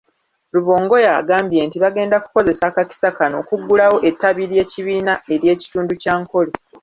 Rubongoya agambye nti bagenda kukozesa akakisa kano okuggulawo ettabi ly'ekibiina ery'ekitundu ky'Ankole.